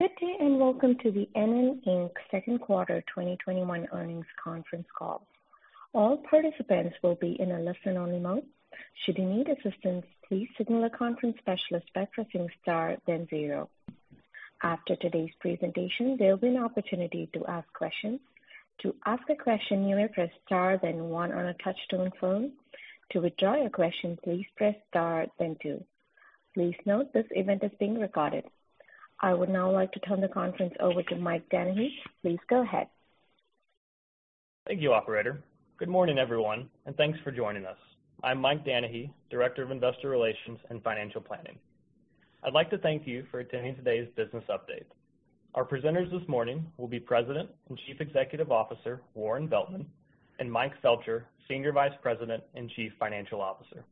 Good day and welcome to the NN, Inc. Second Quarter 2021 Earnings Conference Call. All participants will be in a listen-only mode. Should you need assistance, please signal the conference specialist by pressing Star, then Zero. After today's presentation, there will be an opportunity to ask questions. To ask a question, you may press Star, then One on a touch-tone phone. To withdraw your question, please press Star, then Two. Please note this event is being recorded. I would now like to turn the conference over to Mike Danahy. Please go ahead. Thank you, Operator. Good morning, everyone, and thanks for joining us. I'm Mike Danahy, Director of Investor Relations and Financial Planning. I'd like to thank you for attending today's business update. Our presenters this morning will be President and Chief Executive Officer Warren Veltman and Mike Felcher, Senior Vice President and Chief Financial Officer.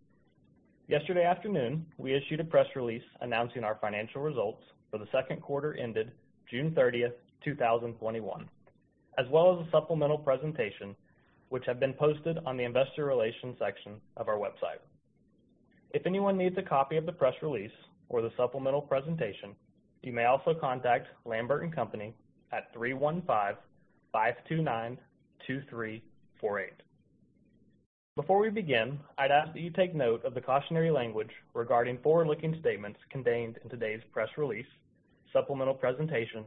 Yesterday afternoon, we issued a press release announcing our financial results for the second quarter ended June 30th, 2021, as well as a supplemental presentation, which have been posted on the Investor Relations section of our website. If anyone needs a copy of the press release or the supplemental presentation, you may also contact Lambert & Company at 315-529-2348. Before we begin, I'd ask that you take note of the cautionary language regarding forward-looking statements contained in today's press release, supplemental presentation,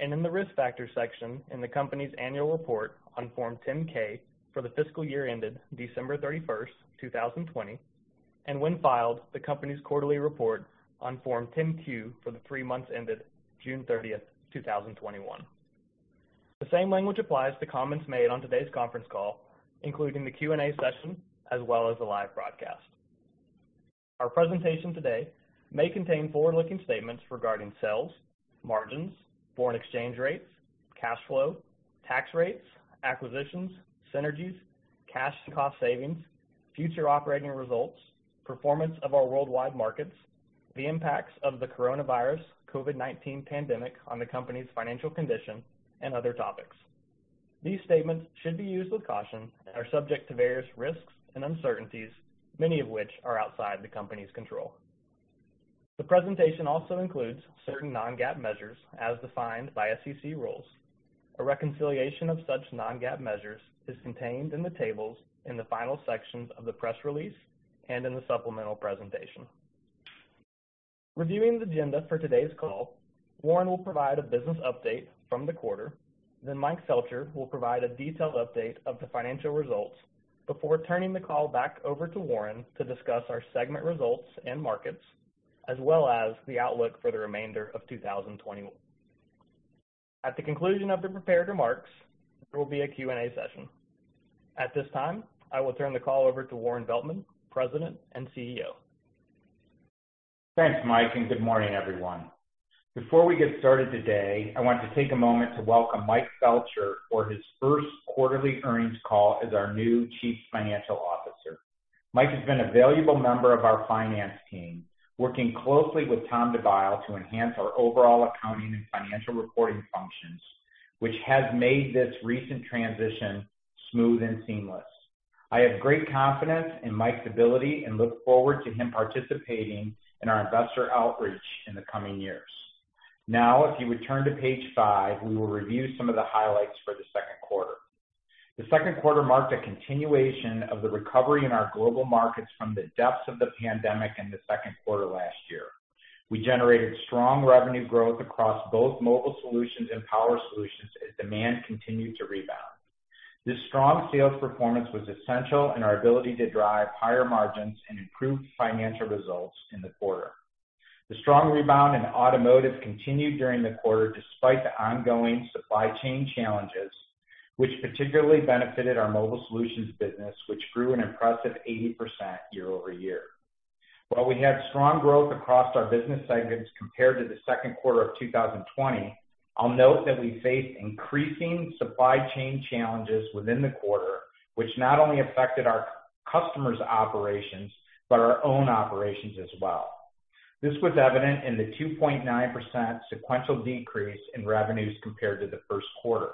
and in the risk factor section in the company's annual report on Form 10-K for the fiscal year ended December 31st, 2020, and when filed, the company's quarterly report on Form 10-Q for the three months ended June 30th, 2021. The same language applies to comments made on today's conference call, including the Q&A session as well as the live broadcast. Our presentation today may contain forward-looking statements regarding sales, margins, foreign exchange rates, cash flow, tax rates, acquisitions, synergies, cash and cost savings, future operating results, performance of our worldwide markets, the impacts of the coronavirus COVID-19 pandemic on the company's financial condition, and other topics. These statements should be used with caution and are subject to various risks and uncertainties, many of which are outside the company's control. The presentation also includes certain non-GAAP measures as defined by SEC rules. A reconciliation of such non-GAAP measures is contained in the tables in the final sections of the press release and in the supplemental presentation. Reviewing the agenda for today's call, Warren will provide a business update from the quarter, then Mike Felcher will provide a detailed update of the financial results before turning the call back over to Warren to discuss our segment results and markets, as well as the outlook for the remainder of 2021. At the conclusion of the prepared remarks, there will be a Q&A session. At this time, I will turn the call over to Warren Veltman, President and CEO. Thanks, Mike, and good morning, everyone. Before we get started today, I want to take a moment to welcome Mike Felcher for his first quarterly earnings call as our new Chief Financial Officer. Mike has been a valuable member of our finance team, working closely with Tom Dabaio to enhance our overall accounting and financial reporting functions, which has made this recent transition smooth and seamless. I have great confidence in Mike's ability and look forward to him participating in our investor outreach in the coming years. Now, if you would turn to page five, we will review some of the highlights for the second quarter. The second quarter marked a continuation of the recovery in our global markets from the depths of the pandemic in the second quarter last year. We generated strong revenue growth across both mobile solutions and power solutions as demand continued to rebound. This strong sales performance was essential in our ability to drive higher margins and improved financial results in the quarter. The strong rebound in automotive continued during the quarter despite the ongoing supply chain challenges, which particularly benefited our mobile solutions business, which grew an impressive 80% year over year. While we had strong growth across our business segments compared to the second quarter of 2020, I'll note that we faced increasing supply chain challenges within the quarter, which not only affected our customers' operations but our own operations as well. This was evident in the 2.9% sequential decrease in revenues compared to the first quarter.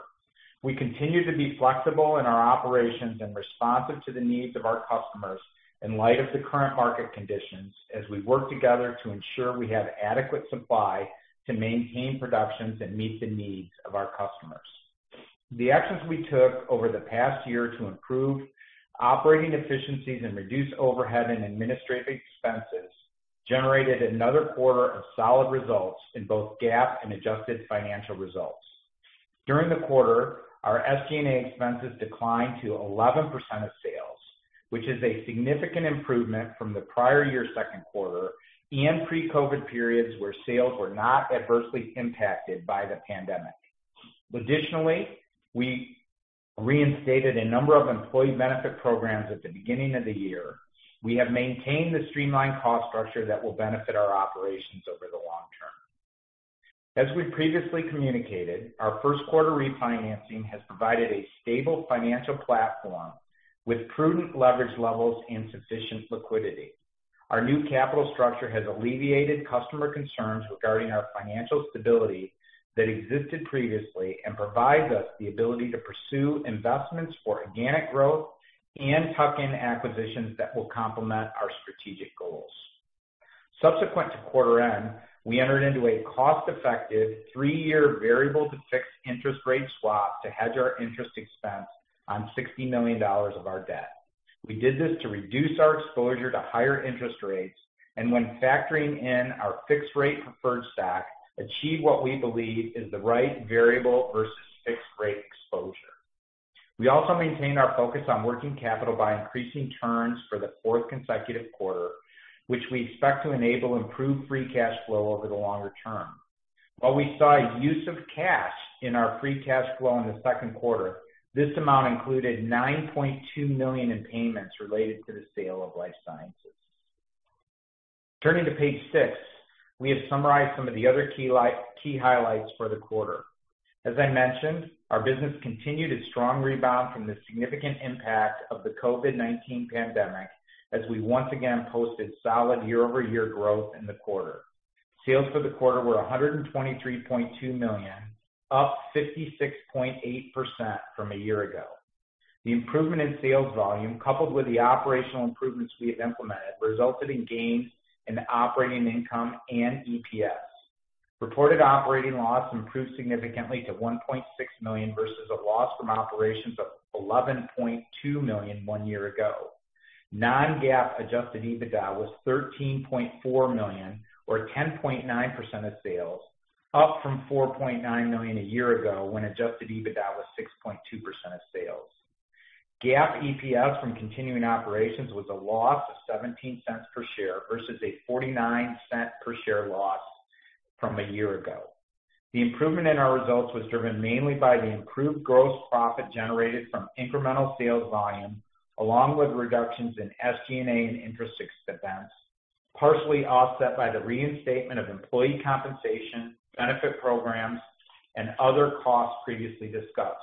We continue to be flexible in our operations and responsive to the needs of our customers in light of the current market conditions as we work together to ensure we have adequate supply to maintain productions and meet the needs of our customers. The actions we took over the past year to improve operating efficiencies and reduce overhead and administrative expenses generated another quarter of solid results in both GAAP and adjusted financial results. During the quarter, our SG&A expenses declined to 11% of sales, which is a significant improvement from the prior year's second quarter and pre-COVID periods where sales were not adversely impacted by the pandemic. Additionally, we reinstated a number of employee benefit programs at the beginning of the year. We have maintained the streamlined cost structure that will benefit our operations over the long term. As we previously communicated, our first quarter refinancing has provided a stable financial platform with prudent leverage levels and sufficient liquidity. Our new capital structure has alleviated customer concerns regarding our financial stability that existed previously and provides us the ability to pursue investments for organic growth and tuck in acquisitions that will complement our strategic goals. Subsequent to quarter end, we entered into a cost-effective three-year variable to fixed interest rate swap to hedge our interest expense on $60 million of our debt. We did this to reduce our exposure to higher interest rates and, when factoring in our fixed rate preferred stock, achieve what we believe is the right variable versus fixed rate exposure. We also maintained our focus on working capital by increasing turns for the fourth consecutive quarter, which we expect to enable improved free cash flow over the longer term. While we saw a use of cash in our free cash flow in the second quarter, this amount included $9.2 million in payments related to the sale of life sciences. Turning to page six, we have summarized some of the other key highlights for the quarter. As I mentioned, our business continued its strong rebound from the significant impact of the COVID-19 pandemic as we once again posted solid year-over-year growth in the quarter. Sales for the quarter were $123.2 million, up 56.8% from a year ago. The improvement in sales volume, coupled with the operational improvements we have implemented, resulted in gains in operating income and EPS. Reported operating loss improved significantly to $1.6 million versus a loss from operations of $11.2 million one year ago. Non-GAAP adjusted EBITDA was $13.4 million, or 10.9% of sales, up from $4.9 million a year ago when adjusted EBITDA was 6.2% of sales. GAAP EPS from continuing operations was a loss of $0.17 per share versus a $0.49 per share loss from a year ago. The improvement in our results was driven mainly by the improved gross profit generated from incremental sales volume, along with reductions in SG&A and interest expenses, partially offset by the reinstatement of employee compensation, benefit programs, and other costs previously discussed.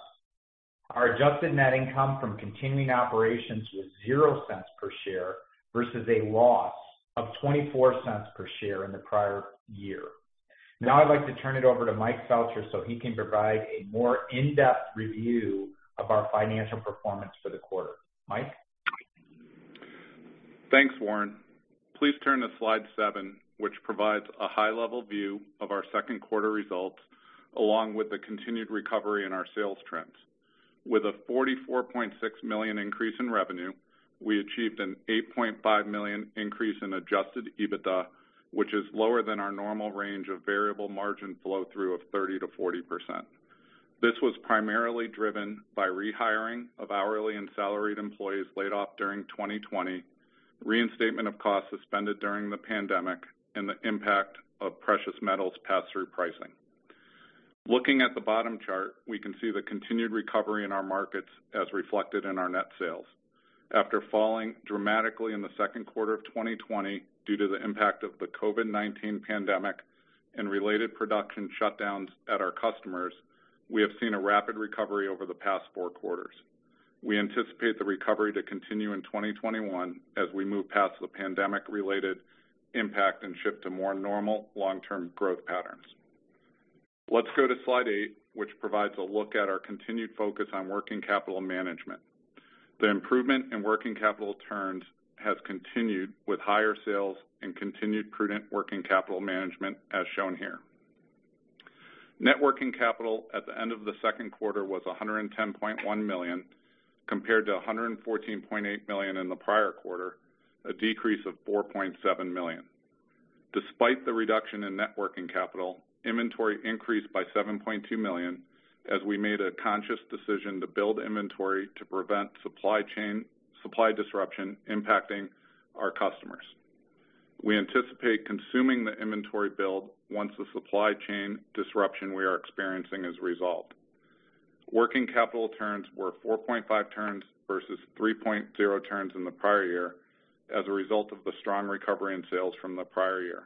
Our adjusted net income from continuing operations was $0.00 per share versus a loss of $0.24 per share in the prior year. Now, I'd like to turn it over to Mike Felcher so he can provide a more in-depth review of our financial performance for the quarter. Mike. Thanks, Warren. Please turn to slide seven, which provides a high-level view of our second quarter results along with the continued recovery in our sales trends. With a $44.6 million increase in revenue, we achieved an $8.5 million increase in adjusted EBITDA, which is lower than our normal range of variable margin flow-through of 30%-40%. This was primarily driven by rehiring of hourly and salaried employees laid off during 2020, reinstatement of costs suspended during the pandemic, and the impact of precious metals pass-through pricing. Looking at the bottom chart, we can see the continued recovery in our markets as reflected in our net sales. After falling dramatically in the second quarter of 2020 due to the impact of the COVID-19 pandemic and related production shutdowns at our customers, we have seen a rapid recovery over the past four quarters. We anticipate the recovery to continue in 2021 as we move past the pandemic-related impact and shift to more normal long-term growth patterns. Let's go to slide eight, which provides a look at our continued focus on working capital management. The improvement in working capital turns has continued with higher sales and continued prudent working capital management as shown here. Net working capital at the end of the second quarter was $110.1 million compared to $114.8 million in the prior quarter, a decrease of $4.7 million. Despite the reduction in net working capital, inventory increased by $7.2 million as we made a conscious decision to build inventory to prevent supply chain disruption impacting our customers. We anticipate consuming the inventory build once the supply chain disruption we are experiencing is resolved. Working capital turns were 4.5 turns versus 3.0 turns in the prior year as a result of the strong recovery in sales from the prior year.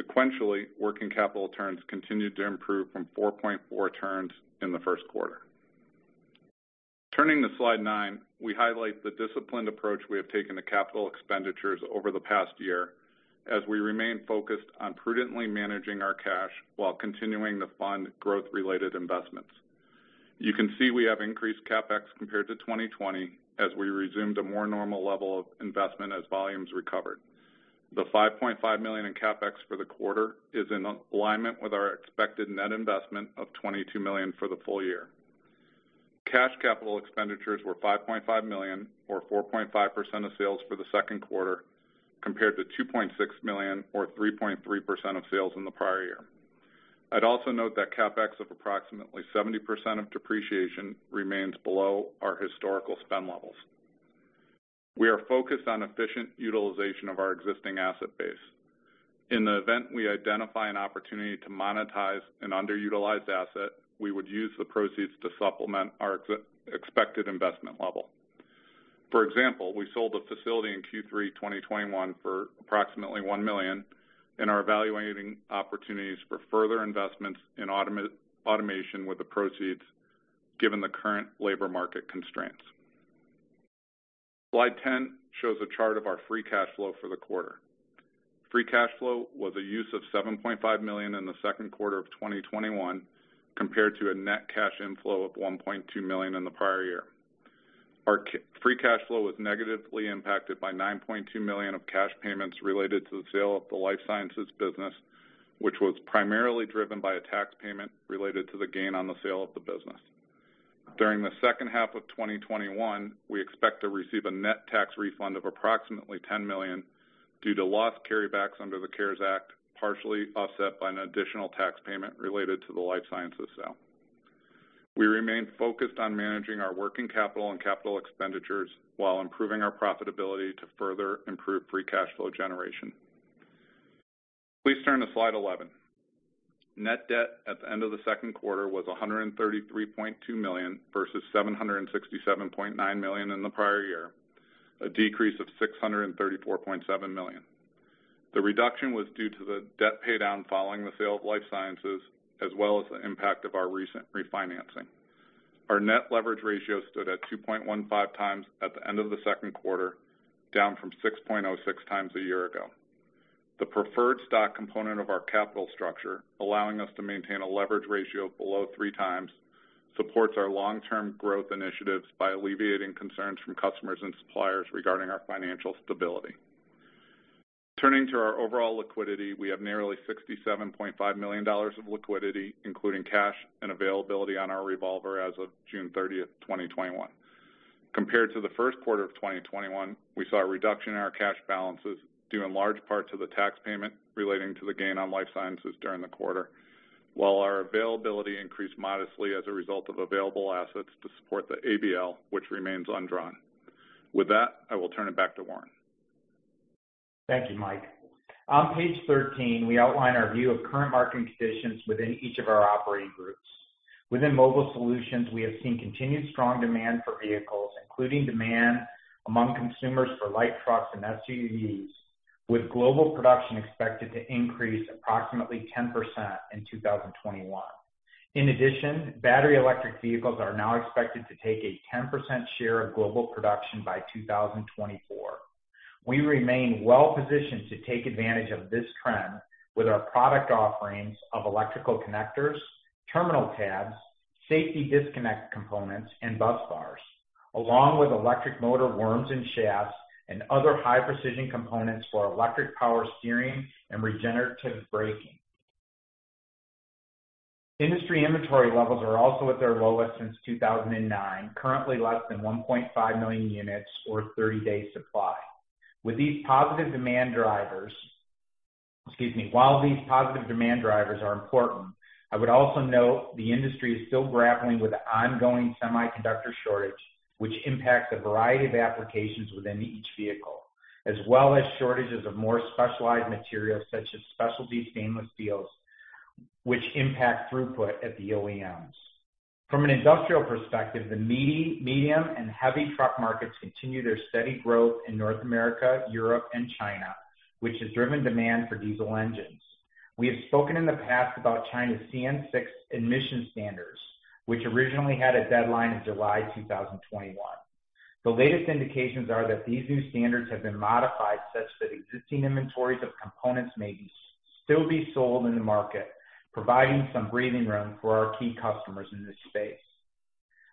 Sequentially, working capital turns continued to improve from 4.4 turns in the first quarter. Turning to slide nine, we highlight the disciplined approach we have taken to capital expenditures over the past year as we remain focused on prudently managing our cash while continuing to fund growth-related investments. You can see we have increased CapEx compared to 2020 as we resumed a more normal level of investment as volumes recovered. The $5.5 million in CapEx for the quarter is in alignment with our expected net investment of $22 million for the full year. Cash capital expenditures were $5.5 million, or 4.5% of sales for the second quarter, compared to $2.6 million, or 3.3% of sales in the prior year. I'd also note that CapEx of approximately 70% of depreciation remains below our historical spend levels. We are focused on efficient utilization of our existing asset base. In the event we identify an opportunity to monetize an underutilized asset, we would use the proceeds to supplement our expected investment level. For example, we sold a facility in Q3 2021 for approximately $1 million and are evaluating opportunities for further investments in automation with the proceeds given the current labor market constraints. Slide 10 shows a chart of our free cash flow for the quarter. Free cash flow was a use of $7.5 million in the second quarter of 2021 compared to a net cash inflow of $1.2 million in the prior year. Our free cash flow was negatively impacted by $9.2 million of cash payments related to the sale of the life sciences business, which was primarily driven by a tax payment related to the gain on the sale of the business. During the second half of 2021, we expect to receive a net tax refund of approximately $10 million due to lost carrybacks under the CARES Act, partially offset by an additional tax payment related to the life sciences sale. We remain focused on managing our working capital and capital expenditures while improving our profitability to further improve free cash flow generation. Please turn to slide 11. Net debt at the end of the second quarter was $133.2 million versus $767.9 million in the prior year, a decrease of $634.7 million. The reduction was due to the debt paydown following the sale of life sciences as well as the impact of our recent refinancing. Our net leverage ratio stood at 2.15 times at the end of the second quarter, down from 6.06 times a year ago. The preferred stock component of our capital structure, allowing us to maintain a leverage ratio below three times, supports our long-term growth initiatives by alleviating concerns from customers and suppliers regarding our financial stability. Turning to our overall liquidity, we have nearly $67.5 million of liquidity, including cash and availability on our revolver as of June 30th, 2021. Compared to the first quarter of 2021, we saw a reduction in our cash balances due in large part to the tax payment relating to the gain on life sciences during the quarter, while our availability increased modestly as a result of available assets to support the ABL, which remains undrawn. With that, I will turn it back to Warren. Thank you, Mike. On page 13, we outline our view of current market conditions within each of our operating groups. Within mobile solutions, we have seen continued strong demand for vehicles, including demand among consumers for light trucks and SUVs, with global production expected to increase approximately 10% in 2021. In addition, battery electric vehicles are now expected to take a 10% share of global production by 2024. We remain well-positioned to take advantage of this trend with our product offerings of electrical connectors, terminal tabs, safety disconnect components, and bus bars, along with electric motor worms and shafts and other high-precision components for electric power steering and regenerative braking. Industry inventory levels are also at their lowest since 2009, currently less than 1.5 million units or 30-day supply. With these positive demand drivers—excuse me—while these positive demand drivers are important, I would also note the industry is still grappling with an ongoing semiconductor shortage, which impacts a variety of applications within each vehicle, as well as shortages of more specialized materials such as specialty stainless steels, which impact throughput at the OEMs. From an industrial perspective, the medium and heavy truck markets continue their steady growth in North America, Europe, and China, which has driven demand for diesel engines. We have spoken in the past about China's CN6 emission standards, which originally had a deadline in July 2021. The latest indications are that these new standards have been modified such that existing inventories of components may still be sold in the market, providing some breathing room for our key customers in this space.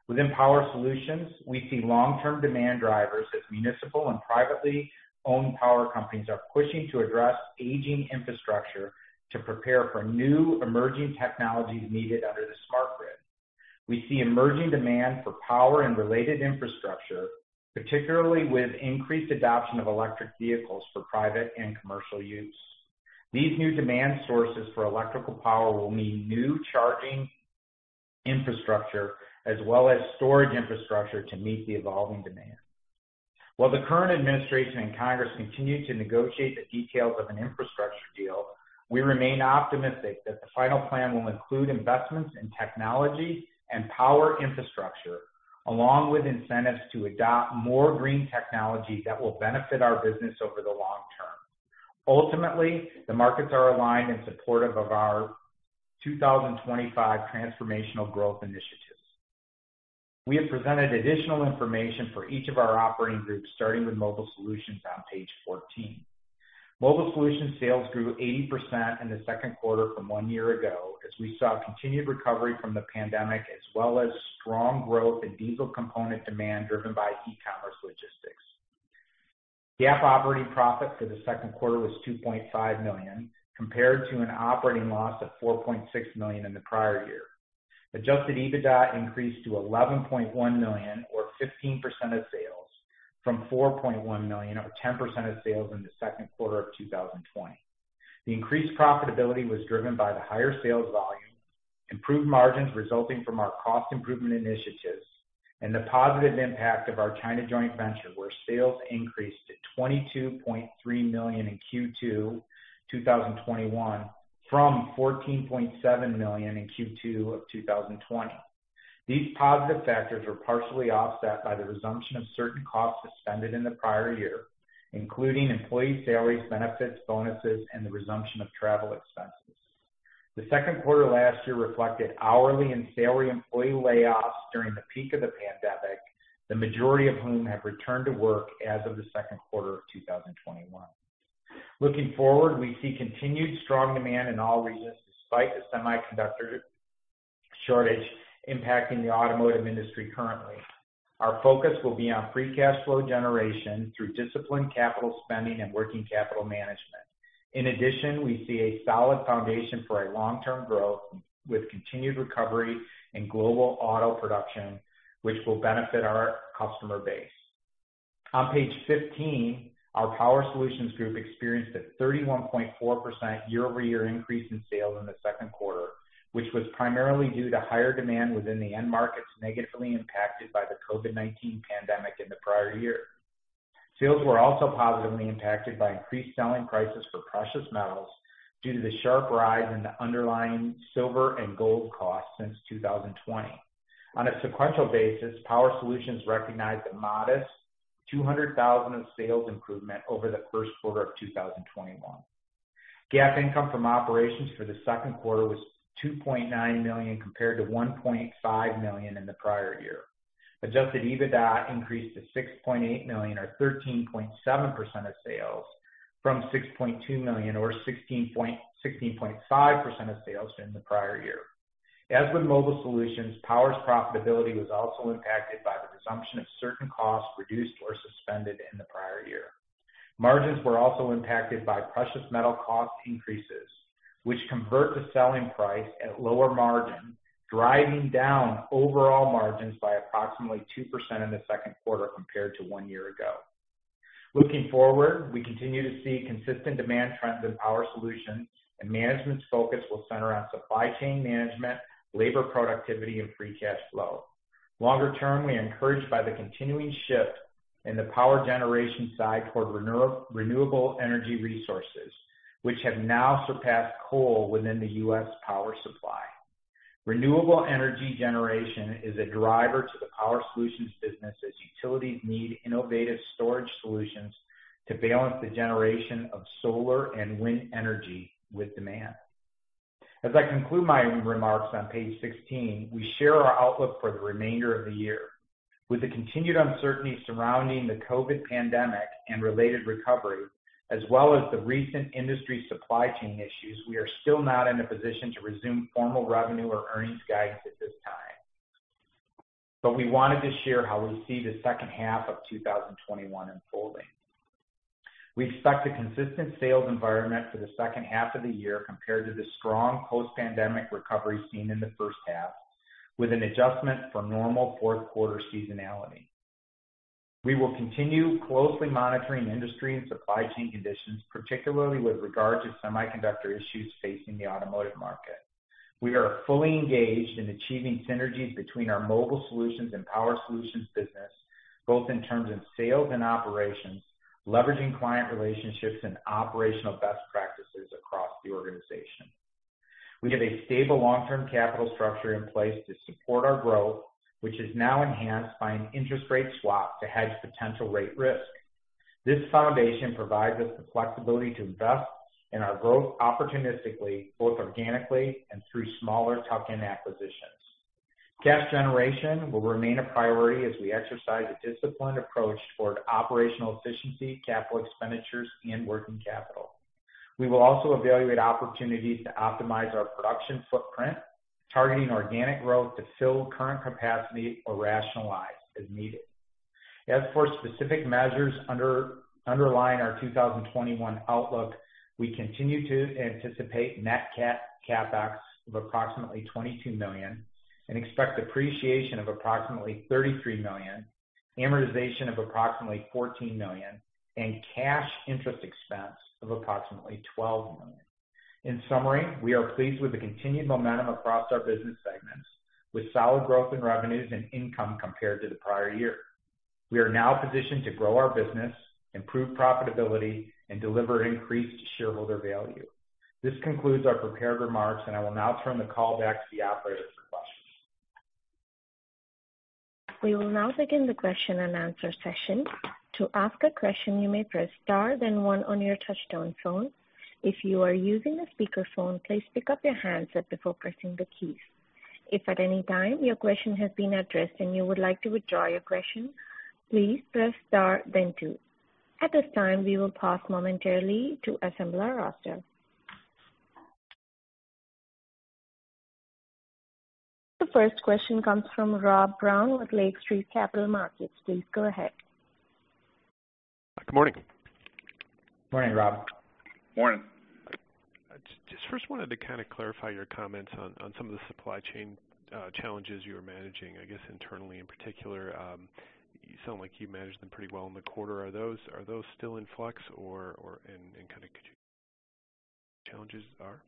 Within power solutions, we see long-term demand drivers as municipal and privately owned power companies are pushing to address aging infrastructure to prepare for new emerging technologies needed under the smart grid. We see emerging demand for power and related infrastructure, particularly with increased adoption of electric vehicles for private and commercial use. These new demand sources for electrical power will mean new charging infrastructure as well as storage infrastructure to meet the evolving demand. While the current administration and Congress continue to negotiate the details of an infrastructure deal, we remain optimistic that the final plan will include investments in technology and power infrastructure, along with incentives to adopt more green technology that will benefit our business over the long term. Ultimately, the markets are aligned and supportive of our 2025 transformational growth initiatives. We have presented additional information for each of our operating groups, starting with mobile solutions on page 14. Mobile solutions sales grew 80% in the second quarter from one year ago as we saw continued recovery from the pandemic as well as strong growth in diesel component demand driven by e-commerce logistics. GAAP operating profit for the second quarter was $2.5 million compared to an operating loss of $4.6 million in the prior year. Adjusted EBITDA increased to $11.1 million, or 15% of sales, from $4.1 million, or 10% of sales in the second quarter of 2020. The increased profitability was driven by the higher sales volume, improved margins resulting from our cost improvement initiatives, and the positive impact of our China joint venture, where sales increased to $22.3 million in Q2 2021 from $14.7 million in Q2 of 2020. These positive factors were partially offset by the resumption of certain costs suspended in the prior year, including employee salaries, benefits, bonuses, and the resumption of travel expenses. The second quarter last year reflected hourly and salary employee layoffs during the peak of the pandemic, the majority of whom have returned to work as of the second quarter of 2021. Looking forward, we see continued strong demand in all regions despite the semiconductor shortage impacting the automotive industry currently. Our focus will be on free cash flow generation through disciplined capital spending and working capital management. In addition, we see a solid foundation for our long-term growth with continued recovery in global auto production, which will benefit our customer base. On page 15, our power solutions group experienced a 31.4% year-over-year increase in sales in the second quarter, which was primarily due to higher demand within the end markets negatively impacted by the COVID-19 pandemic in the prior year. Sales were also positively impacted by increased selling prices for precious metals due to the sharp rise in the underlying silver and gold costs since 2020. On a sequential basis, power solutions recognized a modest $200,000 of sales improvement over the first quarter of 2021. GAAP income from operations for the second quarter was $2.9 million compared to $1.5 million in the prior year. Adjusted EBITDA increased to $6.8 million, or 13.7% of sales, from $6.2 million, or 16.5% of sales in the prior year. As with mobile solutions, power's profitability was also impacted by the resumption of certain costs reduced or suspended in the prior year. Margins were also impacted by precious metal cost increases, which convert the selling price at lower margin, driving down overall margins by approximately 2% in the second quarter compared to one year ago. Looking forward, we continue to see consistent demand trends in power solutions, and management's focus will center on supply chain management, labor productivity, and free cash flow. Longer term, we are encouraged by the continuing shift in the power generation side toward renewable energy resources, which have now surpassed coal within the U.S. power supply. Renewable energy generation is a driver to the power solutions business as utilities need innovative storage solutions to balance the generation of solar and wind energy with demand. As I conclude my remarks on page 16, we share our outlook for the remainder of the year. With the continued uncertainty surrounding the COVID pandemic and related recovery, as well as the recent industry supply chain issues, we are still not in a position to resume formal revenue or earnings guidance at this time, but we wanted to share how we see the second half of 2021 unfolding. We expect a consistent sales environment for the second half of the year compared to the strong post-pandemic recovery seen in the first half, with an adjustment for normal fourth quarter seasonality. We will continue closely monitoring industry and supply chain conditions, particularly with regard to semiconductor issues facing the automotive market. We are fully engaged in achieving synergies between our mobile solutions and power solutions business, both in terms of sales and operations, leveraging client relationships and operational best practices across the organization. We have a stable long-term capital structure in place to support our growth, which is now enhanced by an interest rate swap to hedge potential rate risk. This foundation provides us the flexibility to invest in our growth opportunistically, both organically and through smaller tuck-in acquisitions. Cash generation will remain a priority as we exercise a disciplined approach toward operational efficiency, capital expenditures, and working capital. We will also evaluate opportunities to optimize our production footprint, targeting organic growth to fill current capacity or rationalize as needed. As for specific measures underlying our 2021 outlook, we continue to anticipate net CapEx of approximately $22 million and expect depreciation of approximately $33 million, amortization of approximately $14 million, and cash interest expense of approximately $12 million. In summary, we are pleased with the continued momentum across our business segments, with solid growth in revenues and income compared to the prior year. We are now positioned to grow our business, improve profitability, and deliver increased shareholder value. This concludes our prepared remarks, and I will now turn the call back to the operators for questions. We will now begin the question and answer session. To ask a question, you may press Star, then one on your touchtone phone. If you are using a speakerphone, please pick up your handset before pressing the keys. If at any time your question has been addressed and you would like to withdraw your question, please press Star, then two. At this time, we will pause momentarily to assemble the roster. The first question comes from Rob Brown with Lake Street Capital Markets. Please go ahead. Good morning. Morning, Rob. Morning. Just first wanted to kind of clarify your comments on some of the supply chain challenges you were managing, I guess, internally in particular. You sound like you managed them pretty well in the quarter. Are those still in flux, and kind of could you tell me what the challenges are?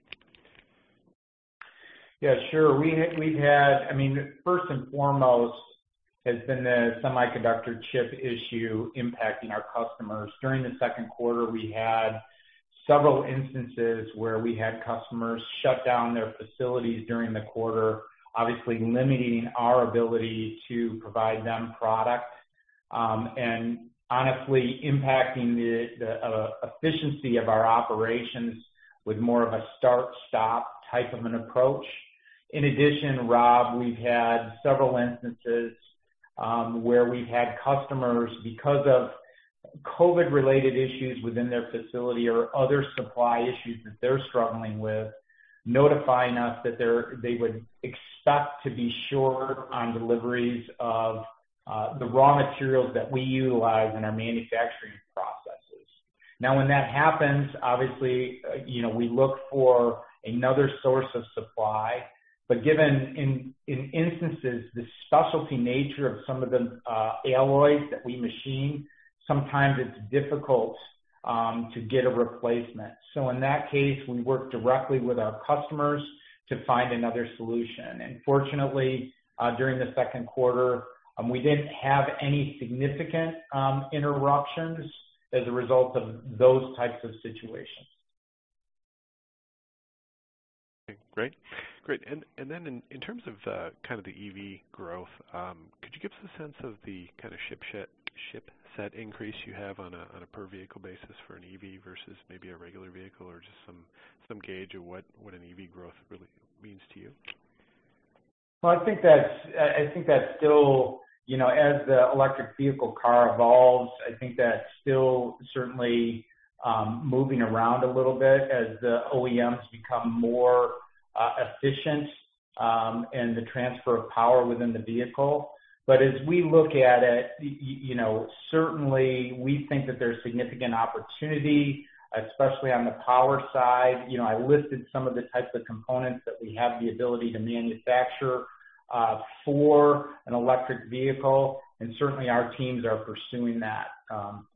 Yeah, sure. I mean, first and foremost has been the semiconductor chip issue impacting our customers. During the second quarter, we had several instances where we had customers shut down their facilities during the quarter, obviously limiting our ability to provide them product and honestly impacting the efficiency of our operations with more of a start-stop type of an approach. In addition, Rob, we've had several instances where we've had customers, because of COVID-related issues within their facility or other supply issues that they're struggling with, notifying us that they would expect to be short on deliveries of the raw materials that we utilize in our manufacturing processes. Now, when that happens, obviously, we look for another source of supply, but given in instances the specialty nature of some of the alloys that we machine, sometimes it's difficult to get a replacement. In that case, we work directly with our customers to find another solution. Fortunately, during the second quarter, we did not have any significant interruptions as a result of those types of situations. Okay. Great. Great. In terms of kind of the EV growth, could you give us a sense of the kind of chip set increase you have on a per-vehicle basis for an EV versus maybe a regular vehicle or just some gauge of what an EV growth really means to you? I think that's still as the electric vehicle car evolves, I think that's still certainly moving around a little bit as the OEMs become more efficient in the transfer of power within the vehicle. As we look at it, certainly we think that there's significant opportunity, especially on the power side. I listed some of the types of components that we have the ability to manufacture for an electric vehicle, and certainly our teams are pursuing that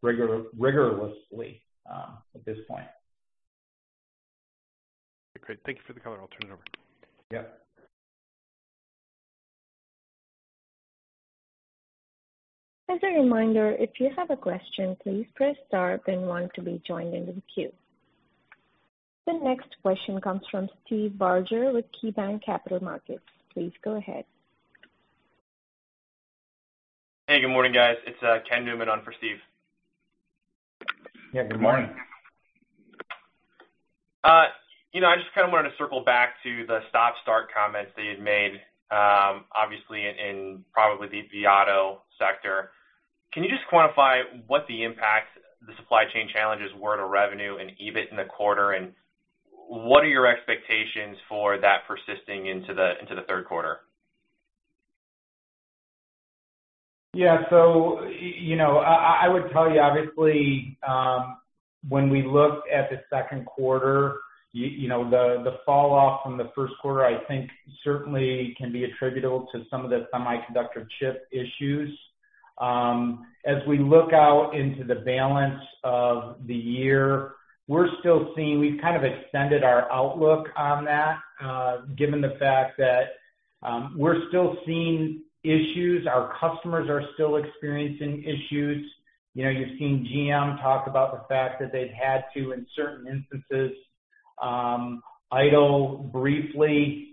rigorously at this point. Okay. Great. Thank you for the color. I'll turn it over. Yep. As a reminder, if you have a question, please press Star, then one to be joined in the queue. The next question comes from Steve Barger with KeyBanc Capital Markets. Please go ahead. Hey, good morning, guys. It's Ken Newman on for Steve. Yeah, good morning. I just kind of wanted to circle back to the stop-start comments that you'd made, obviously, in probably the auto sector. Can you just quantify what the impact the supply chain challenges were to revenue and EBIT in the quarter, and what are your expectations for that persisting into the third quarter? Yeah. I would tell you, obviously, when we look at the second quarter, the falloff from the first quarter, I think, certainly can be attributable to some of the semiconductor chip issues. As we look out into the balance of the year, we're still seeing we've kind of extended our outlook on that given the fact that we're still seeing issues. Our customers are still experiencing issues. You've seen General Motors talk about the fact that they've had to, in certain instances, idle briefly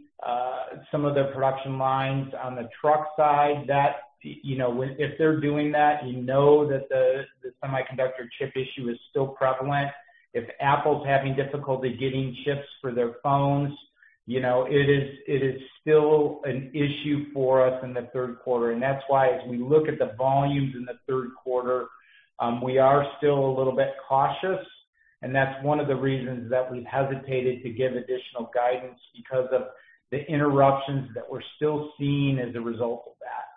some of their production lines on the truck side. If they're doing that, you know that the semiconductor chip issue is still prevalent. If Apple is having difficulty getting chips for their phones, it is still an issue for us in the third quarter. That's why, as we look at the volumes in the third quarter, we are still a little bit cautious. That is one of the reasons that we have hesitated to give additional guidance because of the interruptions that we are still seeing as a result of that.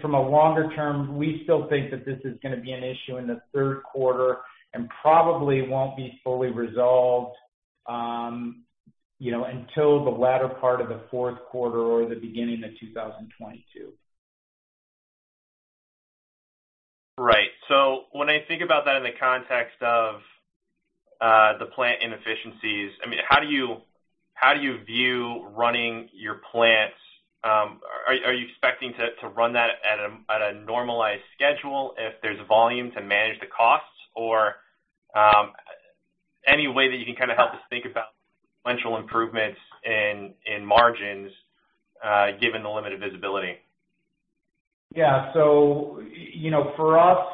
From a longer term, we still think that this is going to be an issue in the third quarter and probably will not be fully resolved until the latter part of the fourth quarter or the beginning of 2022. Right. When I think about that in the context of the plant inefficiencies, I mean, how do you view running your plants? Are you expecting to run that at a normalized schedule if there's volumes and manage the costs or any way that you can kind of help us think about potential improvements in margins given the limited visibility? Yeah. For us,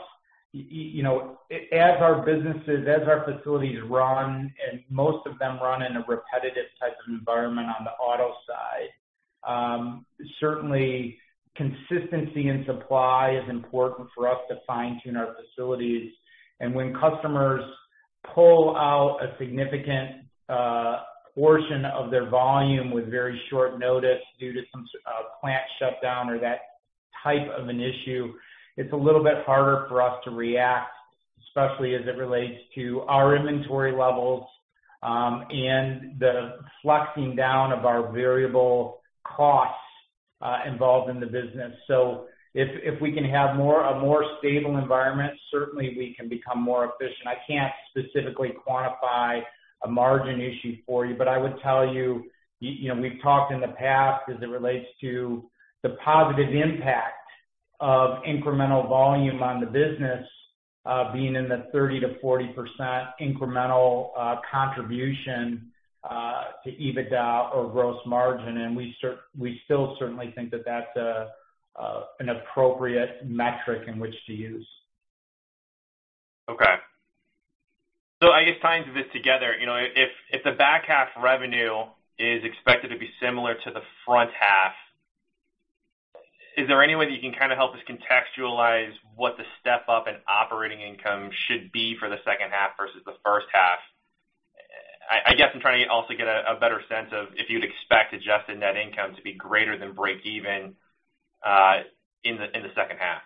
as our businesses, as our facilities run, and most of them run in a repetitive type of environment on the auto side, certainly consistency in supply is important for us to fine-tune our facilities. When customers pull out a significant portion of their volume with very short notice due to some plant shutdown or that type of an issue, it's a little bit harder for us to react, especially as it relates to our inventory levels and the flexing down of our variable costs involved in the business. If we can have a more stable environment, certainly we can become more efficient. I can't specifically quantify a margin issue for you, but I would tell you we've talked in the past as it relates to the positive impact of incremental volume on the business being in the 30-40% incremental contribution to EBITDA or gross margin. We still certainly think that that's an appropriate metric in which to use. Okay. I guess tying this together, if the back half revenue is expected to be similar to the front half, is there any way that you can kind of help us contextualize what the step-up in operating income should be for the second half versus the first half? I guess I'm trying to also get a better sense of if you'd expect adjusted net income to be greater than break-even in the second half.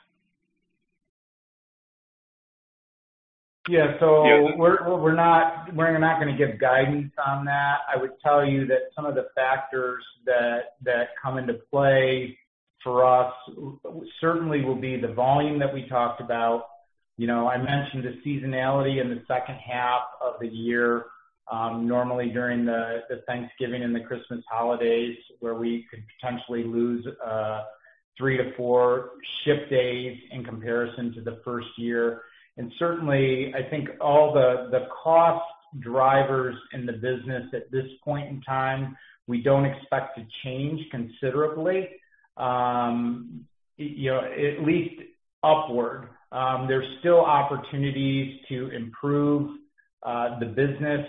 Yeah. We're not going to give guidance on that. I would tell you that some of the factors that come into play for us certainly will be the volume that we talked about. I mentioned the seasonality in the second half of the year, normally during the Thanksgiving and the Christmas holidays, where we could potentially lose three to four ship days in comparison to the first year. Certainly, I think all the cost drivers in the business at this point in time, we don't expect to change considerably, at least upward. There's still opportunities to improve the business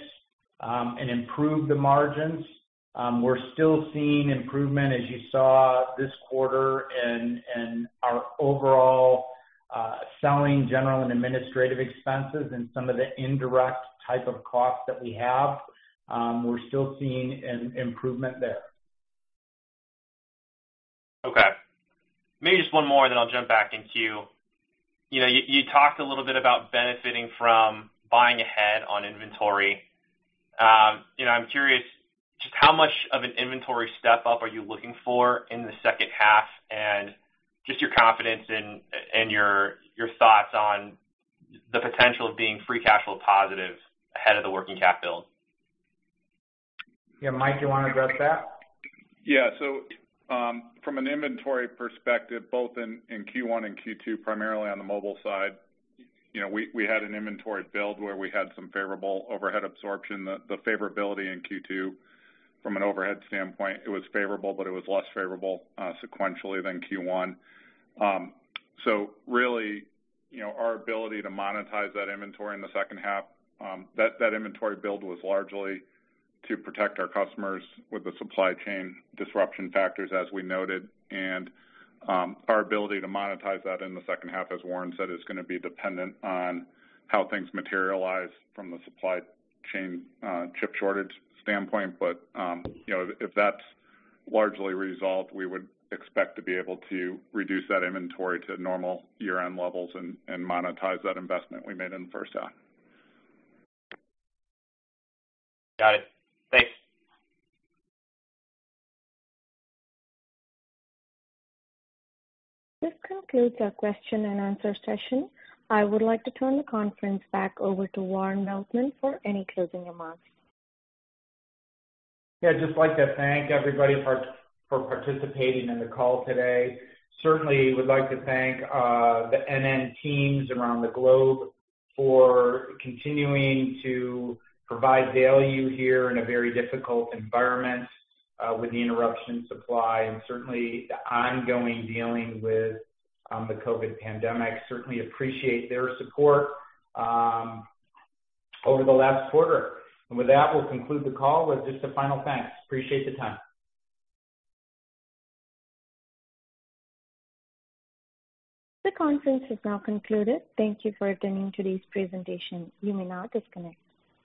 and improve the margins. We're still seeing improvement, as you saw this quarter, in our overall selling, general and administrative expenses and some of the indirect type of costs that we have. We're still seeing improvement there. Okay. Maybe just one more, then I'll jump back in queue. You talked a little bit about benefiting from buying ahead on inventory. I'm curious, just how much of an inventory step-up are you looking for in the second half and just your confidence and your thoughts on the potential of being free cash flow positive ahead of the working cap build? Yeah. Mike, do you want to address that? Yeah. From an inventory perspective, both in Q1 and Q2, primarily on the mobile side, we had an inventory build where we had some favorable overhead absorption. The favorability in Q2, from an overhead standpoint, it was favorable, but it was less favorable sequentially than Q1. Really, our ability to monetize that inventory in the second half, that inventory build was largely to protect our customers with the supply chain disruption factors, as we noted. Our ability to monetize that in the second half, as Warren said, is going to be dependent on how things materialize from the supply chain chip shortage standpoint. If that's largely resolved, we would expect to be able to reduce that inventory to normal year-end levels and monetize that investment we made in the first half. Got it. Thanks. This concludes our question and answer session. I would like to turn the conference back over to Warren Veltman for any closing remarks. Yeah. Just like to thank everybody for participating in the call today. Certainly, we'd like to thank the NN teams around the globe for continuing to provide value here in a very difficult environment with the interruption supply and certainly the ongoing dealing with the COVID pandemic. Certainly appreciate their support over the last quarter. With that, we'll conclude the call with just a final thanks. Appreciate the time. The conference has now concluded. Thank you for attending today's presentation. You may now disconnect.